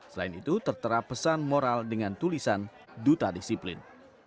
selain itu tertera pesan moral dengan tulisan duta disiplin